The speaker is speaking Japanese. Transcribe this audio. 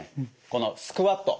このスクワット。